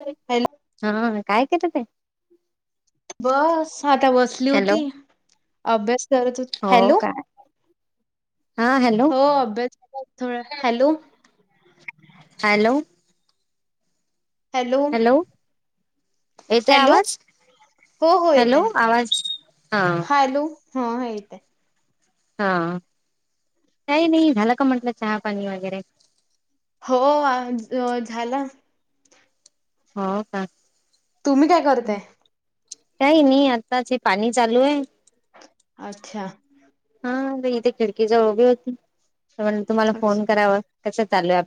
[unintelligible] Hello हा काय करताय ताई? बस.. आता बसली होती अभ्यास करत होती हो हॅलो काय हा हॅलो हो अभ्यास [unintelligible] थोडं हॅलो हॅलो हॅलो येतोय हॅलो आवाज हो हो हॅलो येतंय आवाज हा हॅलो हा येतंय हा काही नाही झाला का म्हटलं चहा -पाणी वगैरे हो आज झाला हो का तुम्ही काय करताय? काही नाही आताचं हे पाणी चालू आहे. अच्छा हा इथे खिडकी जवळ उभी होती तर म्हणल तुम्हाला फोन करावा कसं चालय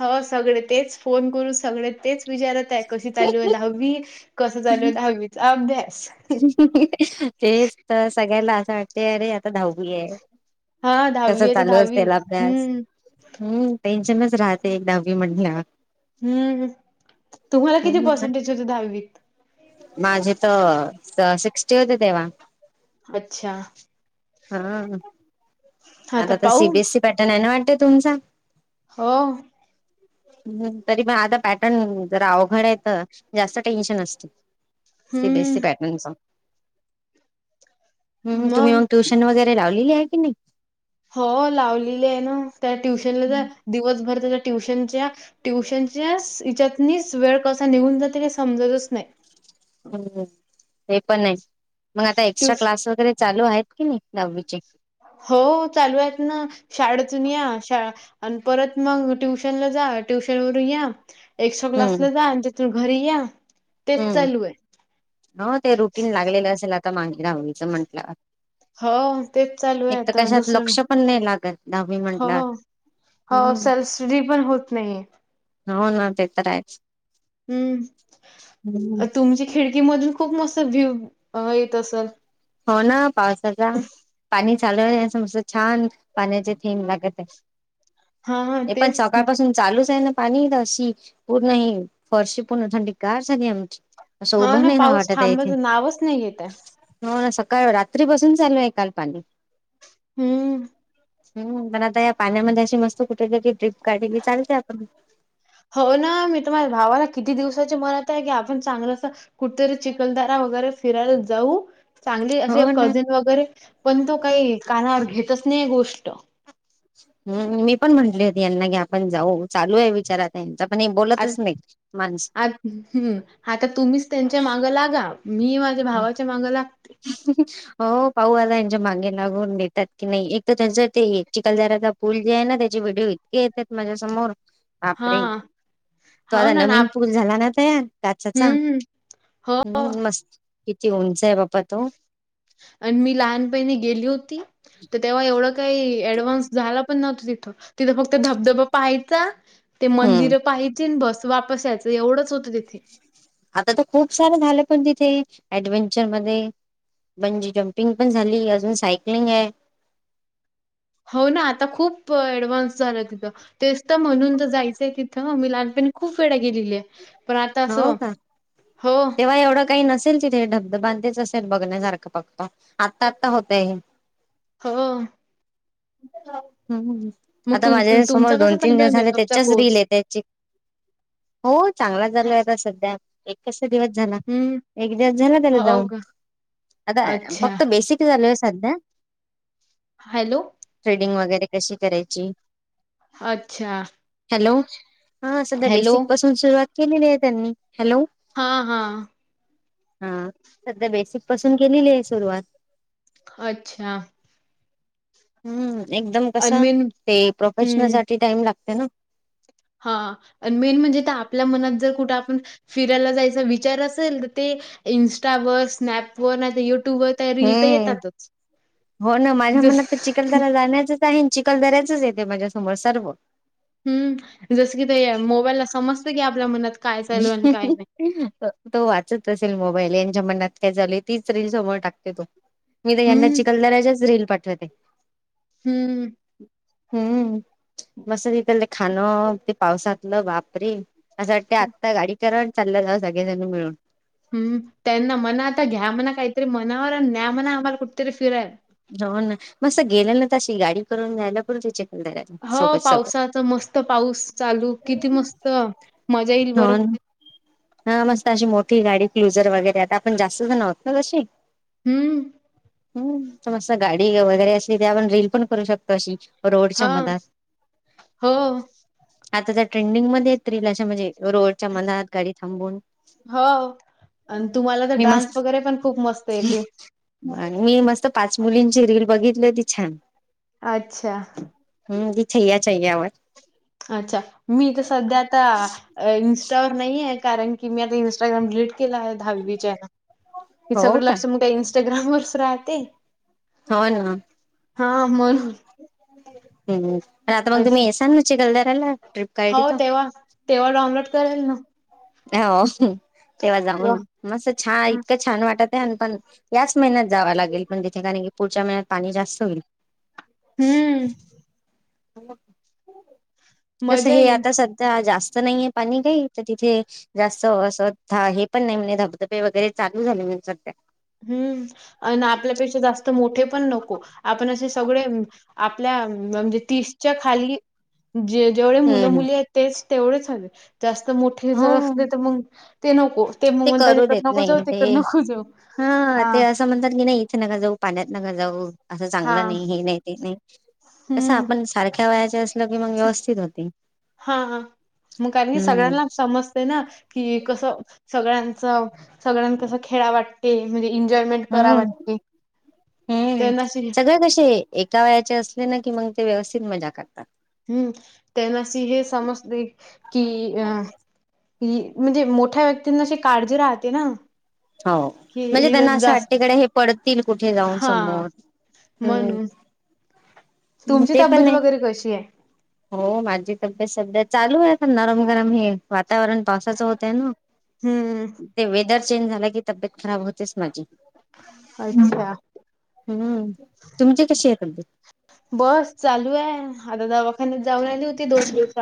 हो सगळे तेच फोन करून सगळे तेच विचारत आहे कशी चालू आहे दहावी कसं चालू आहे दहावीचा अभ्यास [inaudible] तेच तर सगळ्याला असं वाटतेय अरे आता दहावी आहे हा कस दहावी आहे तर चालू दहावी असतेला अभ्यास हम्म हम्म टेंशन राहते एक दहावी [unintelligible] म्हणल्या हम्म तुम्हाला किती म्हटल्यावर पर्सेंटेज होते दहावीत? माझे त-स- सिक्स्टी होते तेव्हा अच्छा हा आता तर सीबीएससी पॅटर्न आहे ना वाटतंय तुमचा हो हम्म तरी पण आता पॅटर्न- जरा अवघड आहे तर जास्त टेन्शन असतं सीबीएसी हम्म पॅटर्नचं हम्म तुम्ही मग ट्युशन वगैरे लावलेली आहे की नाही. हो लावलेली आहे ना त्या ट्युशनला जा- दिवसभर [unintelligible] ट्युशनच्या -ट्युशनच्या स- हेच्यात स- नी वेळ कसा निघून जाते समजतच नाही. हम्म.. हे पण आहे मग आता एक्स्ट्रा ट्युश क्लास वगैरे चालू आहेत की नाही- नव्वीचे हो चालू आहेत ना शाळेतून या शाळा आणि परत मग ट्युशनला जा ट्युशन वरून या एक्स्ट्रा हम्म क्लासला जा तू घरी या तेच हम्म चालू आहे. -हो ते रुटीन लागलेलं असेल आता मागे दहावीचं म्हंटलं हो तेच चालू एक आहे तर आता कशात दुसरं लक्ष पण नाही लागत दहावी हो म्हटल्या हो सेल्फ स्टडी पण होत नाहीे हो ना ते तर आहेच हम्म हम्म तुमच्या खिडकीमधून खूप मस्त व्ह्यू येत असल हो ना पावसाचा पाणी चाल समत छान पाण्याची थीम लागत हा हा आहे ए पण तेच सकाळ पाासून लूस आहे पाणी अशी पूर्ण ह फर्शी पूर्ण थंडी ग झाली आमची असं हा उभं नाही राहावं पाऊस वाटत आहे इथे थांबायचं नावच नाही येत हो ना सकाळ रात्री बसून चालू आहे काल पाणी हम्म. हम्म पण आता या पाण्यामध्ये अशी मस्त कुठे तरी ट्रिप. काढली की चालते आपण हो ना मी तुमझ्या भावाला किती दिवसाची मनात आहे की आपण चांगलंस कुठेतरी चिखलदारा वगैरे फिरायला जाऊ चांगली असे हो ना. कझिन वगैरे पण तो काही कानावर घेतच नाही गोष्ट हम्म मी पण म्हंटली होती यांना की आपण जाऊ चालू आहे विचारात पण हे आ बोलतच नाही माणसं. आ हम्म आता तुम्हीच त्यांच्या मागं लागा. मी माझ्या भावाच्या माग लागते हो पाऊ आला यांच्या मागे लागून देतात की नाही एक तर त्यांचं ते चिखलदाराचा पुल जे आहे ना त्याचे व्हिडिओ इतके येतात माझ्या समोर हा बापरे तो हो आता ना ना नवीन आप- पूल झाला ना तयार काच्याचा हम्म हो हम्म मस्त किती उंच बघ. आणि मी लहानपणीने गेली होती तर तेव्हा ये काही डव्हान्स झाला पण नव तिथं तिथं फक्त धबधबा पाहायचा ते हम्म मंदिरं पाहिजे बस वापसा यायचं एवढंच होत. आता तर खूप सारे झाले पण तिथे ऍडव्ंचर मध्ये म्हणजे जंपिंग पण झाली अजून सायकलिंग आहे. हो ना आता खूप ऍडव्हान्स झालं तिथं तेच तर म्हणून तर जायचंय तिथं मग मी लहानपणी खूप वेळा गेलेली पण आता हो असं का हो तेव्हा एवढं काही नस असेल तिथे धबध बांधेच असेल बघण्यासारखं पक्ता आत्ता आता होतये. हो. [unintelligible] मग आता तु माझ्या समोर तुमचा दोन कसा तीन चालू आहे दिवस झाले मेकअपचा त्याच्याच रीलील कोर्स? आहे त्याची हो चांगला आहे सध्या एक क दिवस झाला हम्म एक दिवस झाला त्याला हो जाऊन का आता अच्छा फक्त बेसिक झाल सध्या हॅलो. ड वगैरे कशी करायची अच्छा. हॅलो हा सध्या हॅलो बेसिक पासून सुरुवात केलेली आहे त्यांनी. हॅलो हा हा हा सध्या बेसि क पासून केलेली आहे सुरुवात. अच्छा. हम्म एकदम कस अनमेन ते प्रोफेशनल साठी टाइम लागते ना. हा मेन म्हणजे आपल्या मनात जर कुठे आपण फिरायला जायचा विचार असेल तर ते. इन्स्टा व स्नॅप व नाही युट्यूब वर रील तर हम्म येतातच जस चिखलदऱ्याच येते माझ्यासमोर सर्व हम्म जस कि ते मोबाईलला समजत की आपल्या मनात काय चालू आहे आणि काय नाही. तो वाचत असेल मोबाईल मनात काय चालू आहे तेच प्रेम समोर टाकते तो मी तर यांना हं, चिखलदराच्याच रील पाठवते. हम्म. हम्म मस्त तिथलं खाणं ते पावसातलं बापरे असं वाटते आ गाडी करा अन चाल जावं सगळेजण मिळून. हम्म त्यांना म्हणा आता घ्या म्हणा काहीतरी मनावर आणि न्या म्हणा आम्हाला कुठेतरी फिरायल. हो ना मस्त गेलं ना त अशी गाडी करून जायला पुरते च हो पावसाच मस्त पाऊस चालू किती मस्त मजा येईल हो बरं. हा मस्त अशी मोठी गाडी क्लुजर वगैरे आता आपण जास्त जण आहोत ना तशे. हं. हम्म तर मस्त गाडी वगैरे असली ते आपण रील पण करू शकतो अशी. हा रोडच्या मधात. हो. आता त्या ट्रेंडिंग मध्ये येत रिल अशा म्हणजे रोडच्या मधात गाडी थांबून. हो. आणि तुम्हाला तर मी डान्स मस्त वगैरे पण खूप मस्त येते. मी म मस्त पाच मुलींची रील बघितली ती छान! अच्छा! हम्म ती छैया छैया वर. अच्छा मी तर सध्या आता इन वर नाहीेय कारण की मी आता इस्टाग्राम डिलीट केलंय दहावीच्या न. हेि हो सगळं का? लक्ष मग काय इंस्टाग्राम वरच राहते. हो ना. हा म्हणून. हम्म आता मग तुम्ही असं. येसाल न चिखलदऱ्याला? ट्रिप हो काढली तर तेव्हा तेव्हा डाउनलोड करेल न. हो तेव्हा जाऊ न छान इतकं छान वाटत. पण याच महिन्यात जाव लागेल पण तिथे कारण की पुढच्या महिन्यात पाणी जास्त होईल. हम्म. कस मजा हे येईल आता सध्या जास्त नाहीये पाणी काही त तिथे. जास्त असं हे पण नाही म्हणजे धबधबे वगैरे चालू झाले म्हणजे सध्या हम्म आणि आपल्यापेक्षा जास्त मोठे पण नको आपण असे सगळे आपल्या म्हणजे तीसच्या खाली जे जेवढे मुलं हम्म हम्म मुली आहेत तेच तेवढेच हवे जास्त मोठे जर हो असले तर मग ते नको. ते मग म्हणता तकडे नको जाऊ तिकडे नको जाऊ. ह हा ते असं म्हणतात की नाही इथे नका जाऊ, पाण्यात नका जाऊ, असं हा चांगलं नाही हे नाही ते नाही. कसं हम्म आपण सारख्या वयाचे असल की मग व्यवस्थित होते. हा हा मग काय म्हणी हम्म सगळ्यांना समजते ना की कसं सगळ्यां सगळ्यांना कस खेळा वाटते? म्हणजे. एन्जॉयमेंट करा हम्म वाटते हम्म त्यांनाशी सगळे कसे एका वयाचे असले ना. कि मग ते व्यवस्थित मजा करतात. हम्म त्यांनासी हे समजते की अ ही म्हणजे मोठ्या व्यक्तींना अशी काळजी राहते ना. हो कि म्हणजे हे त्यांना असं जास्त वाटतेकडे हे पडतील कुठे जाऊन हा समोर. म्हणून. हम्म तुमची ते पण तब्येत नाही. वगैरे कशी हाय? हो माझी तब्येत सध्या चालू आहे का नरम गरम हे वातावरण पावसाचं होतय न. हम्म ते वेदर चेंज झाल कि तब्येत खराब होतेच माझी. अच्छा हम्म तुमची कशी आहे तबीयत? बस चालू आहे आता दवाखान्यात जाऊन आली होती ते दोन दिवसा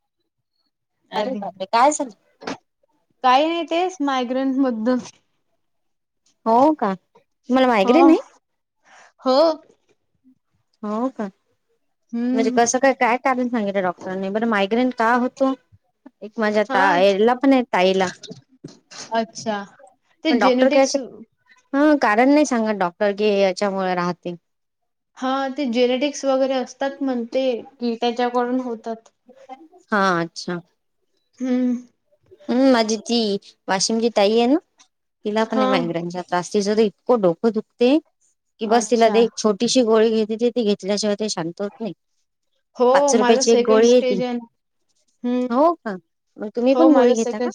अरे आधी बापरे काय झालं? काही नाही. तेच मायग्रेन बद्दल. हो का मला हो मायगरे नाही हो. हो का म्हणजे हम्म कसं काय काय टून सांगितलं डॉक्टरांनी बरं मायग्रेन ता होतो एक माझ्या हा ताला पण आहे ताईला अच्छा ते पण डॉक्टर काय असे जेनेटिक्स ह कारण नाही सांगत डॉक्टर की याच्यामुळे राहते हा ते जेनेटिक्स वगैरे असतात म्हणते की त्याच्याकडून हो हा अच्छा! हम्म हम्म माझी ती वाशिमची ताई आहे ना तिला पण हा मायग्रेनचा त्रास तिच तर इतकं डोकं दुकते की बस तिला अच्छा एक छोटीशी गोळी घेते ती घेतल्याशिवाय ते शांत होत नाही. हो पाच माझा रुपयाची एक सेकंड गोळी आहे ती, स्टेज हो का मग तुम्ही, पण माझ गोळी घेता सेक का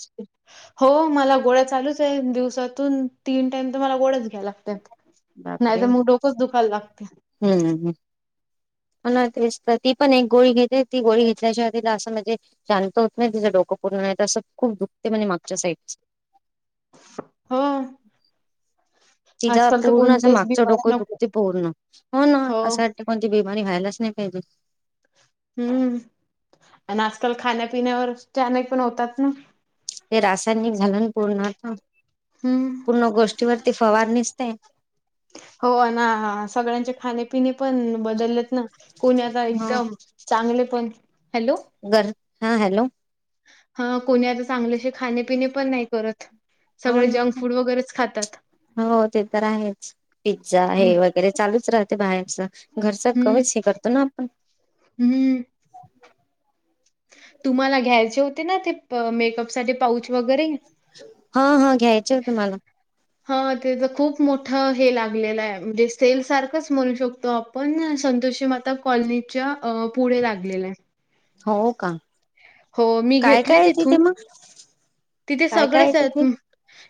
हो मला गोळ्या चालू अस तर दिवसातून तीन टायम तर मला गोळ्याच घ्याव्या लागतात. नाही बापरे तर मग डोकच दुखायला लागते. मला ना एक्सट्रा ती पण एक गोळी घेते ती गोळी घेतल्याशिवाय तिच असं म्हणजे शांत होत नाही तिच डोकं उन्हाळ्यात असं खुप दुघतय मागच्या साईडने हो तिला आजकाल तर पूर्ण असं कोणत्याच मागचं डोकं बिमाऱ्या नको. दुखते पूर्ण हो ना हो, अशासाठी कोणती आणि व्हायलाच नाही पाहिजे. हम्म आणि आजकाल खाण्यापिण्यावर चानक पण होतात ना. ते रासायनिक झालं पूर्ण हम्म. पूर्ण गोष्टीवरती फवारणीस ते हो ना सगळ्यांचे खाणे- पिणे पण बदलत ना कोणी आता एकदम चांगले पण हॅलो घर हा हॅलो ह कोणी आता चांगले खाणे-पिणे पण नाही करत. हो सगळे ना जंक फूड वगैरेच खातात. हो ते तर आहेच पिझ्झा अम, हे वगैरे चालूच राहत. ते बाहेरच घरच हम्म, कमीच हे करतो ना आपण, हम्म. तुम्हाला घ्यायचे होते. ना ते मेकअप साठी पाऊच वगैरे? हा हा घ्यायचे होते मला. हा त्याच खूप मोठं हे लागलेलं आहे. म्हणजे सेल सारखंच म्हणू शकतो आपण जसे म आता कॉलनीच्या पुढे लागलेले आहे. हो का हो मी काय घेतले काय तिथे तिथून मग तिथे काय काय आहे सगळेच तिथे आहेत.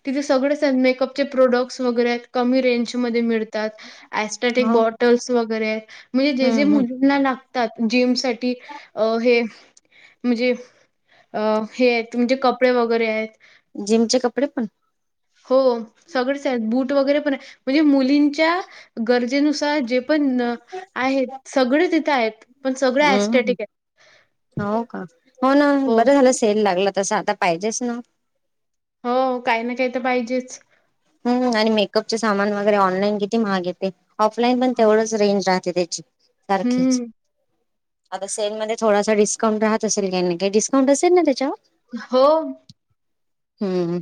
तिथे सगळेच मेकअपचे प्रोडक्ट्स वगैरे कमी रेंजमध्ये मिळतात. ऍस्टॅटिक हो बॉटल्स वगैरे म्हणजे जे जे हम्म हम् मुलींना लागत. जिम साठी हे म्हणजे अ हे आहेत म्हणजे कपडे वगैरे आहेत. जिमचे कपडे पण, हो सगळेच आहेत. बूट वगैरे पण आहे म्हणजे मुलींच्या गरजेनुसार जे पण आहेत सगळे तिथं आहेत पण सगळ हम्म एस्टेटिक आहेत. हो का हो ना बरं झालं सेल लागला तस आता पाहिजेच ना. हो काही ना काही तर पाहिजेच. हम् आणि मेकअपचे सामान वगैरे ऑनलाईन किती महाग येते ऑफलाईन पण तेवढंच रेंज आहे. तेची सारखीच हम्म. आता सेलमध्ये थोडासा डिस्काउंट राहत असेल काही नाही काय डिस्काउंट असेल ना त्याच्यावर हो हम्म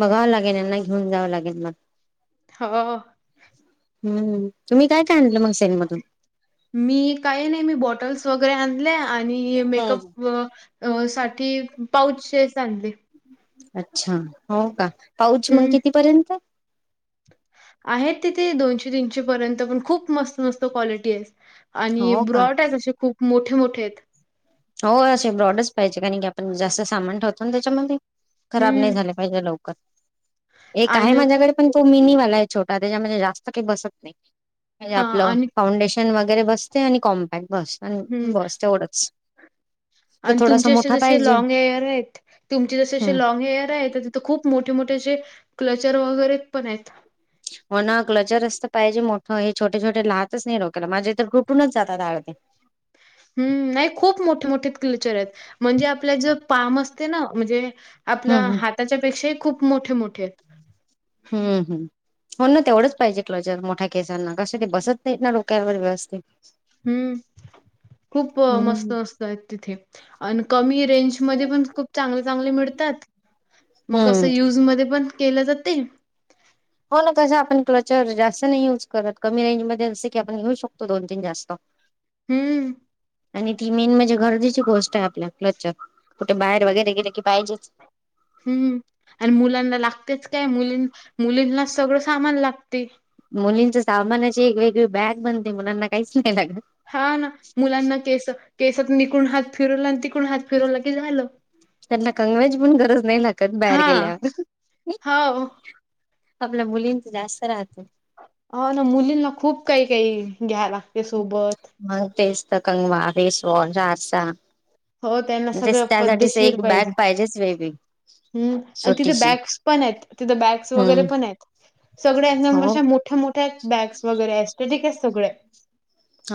बघावं लागेल यांना घेऊन जावं लागेल मग, हो हम्म तुम्ही काय काय आणलं मग सेल मधून मी काही नाही मी बॉटल्स वगैरे आणले आणि मेकअप अ साठी पाऊचेस आपले. अच्छा हो का पाऊच मंग हम्म. कितीपर्यंत. आहेत तिथे दोनशे तीनशे पर्यंत पण खूप मस्त मस्त क्वालिटीये आणि हो का ब्रॉटेना असे खूप मोठे मोठे आहेत हो असे ब्रॉडच पाहिजे कारण की आपण जास्त सामान ठेवतो ना त्याच्यामध्ये खराब नाही हम्म. झाले पाहिजे लवकर एक आहे आणि माझ्याकडे पण उमिनी वाला ए छोटा त्याच्याहून जास्त काही बसत नाही, म्हणजे हा आपलं आणि फाउंडेशन वगैरे बसते आणि कॉम्पॅक्ट बस अन हम्म. बस तेवढंच. तर आणि थोडासा तुमचे असे मोठा जसे पाहिजे लँग हेअरेत, तुमचे जसे असे हम्म लॉग हेअरेत, तिथ खूप मोठ मोठे मोठे जे क्लचर वगैरे पणेत. हो ना कल्चर रस्त पाहिजे मोठं हे छोटे छोटे राहतच नाही डोकेला माजे तर रुटूनच जातात. [inaudible] हम्म नाही खूप मोठे मोठे क्लचरेत म्हणजे आपल्या ज पाम असते ना, म्हणजे आपल्या हम्म हम्म हाताच्या पेक्षाही खूप मोठे मोठेत हम्म हम्म. हो ना तेवढंच पाहिजे क्लोजर मोठ्या केसांना कसं ते बसत नाहीत ना डोक्यावर व्यवस्थित हम्म [inaudible] खूप मस्त हम्म असतय तिथे आणि कमी रेंजमध्ये पण खूप चांगले चांगले मिळतात मगं हम्म युज मध्ये पण केलं जाते हो ना तसं आपण क्लचर जास्त नाही युज करत कमी रेंज मध्ये असं की आपण घेऊ शकतो दोन तीन जास्त. ब हम्म [inaudible] आणि ती मेन म्हणजे गरजेची गोष्ट आहे आपल्या कच्च कुठे बाहेर वगैरे गेर की पाहिजेच हम्म आणि मुलांना लागतेच काय मुलीं मुलींना सगळं सामान लागते मुलींच्या सामानाची एक वेगळी बॅग बनते मुलांना काहीच नाही. लागत हा ना मुलांना केस केसात निकून हात फिरवला आणि तिकड हात फिरवला की झालं. त्यांना कंगवेची पण गरज नाही लागत बाहेर हा गेल्यावर. हो आपल्या मुलींच जास्त राहत हो ना मुलींना खूप काही काही घ्या लागते सोबत मग तेच तर कंगवा, फेस वॉश, आरसा हो त्यांना सगळं त्यासाठीच पद्धशीर एक बॅग पाहिजे. पाहिजेच वेगळी हम्म आणि तिथे छोटीशी बॅगस पणेत तिथे बॅग्स वगैरे हम्म पणेत सगळ्या नरश हो मोठ्या मोठ्या बॅग्स वगैरे असत ठीके सगळे